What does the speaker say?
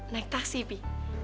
naik taksi pi